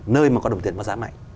nơi mà có đồng tiền có giá mạnh